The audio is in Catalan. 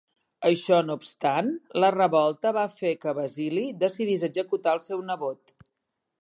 Això no obstant, la revolta va fer que Basili decidís executar el seu nebot.